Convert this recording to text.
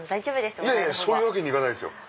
そういうわけにいかないですよ！